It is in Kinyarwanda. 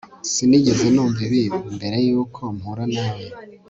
Sinigeze numva ibi mbere yuko mpura nawe